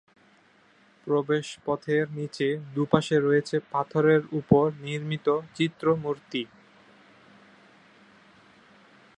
প্রবেশ পথের নিচে দুইপাশে রয়েছে পাথরের উপর নির্মিত চিত্র-মূর্তি।